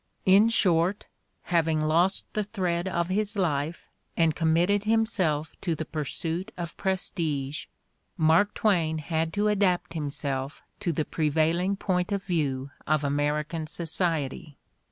In short, having lost the thread of his life and com mitted himself to the pursuit of prestige, Mark Twain had to adapt himself to the prevailing point of view of American society.